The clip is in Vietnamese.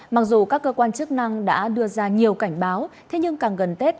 mặc dù các cơ quan chức năng đã đưa ra nhiều cảnh báo thế nhưng càng gần tết